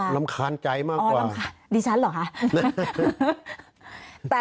รำคาญใจมากกว่า